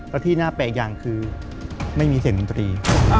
และที่น่าแปลกอย่างคือไม่มีเสียงดนตรี